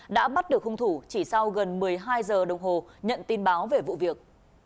đã bắt được hung thủ chỉ sau gần một mươi hai giờ đồng hồ nhận tin báo về vụ việc